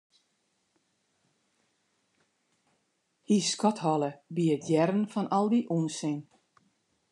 Hy skodholle by it hearren fan al dy ûnsin.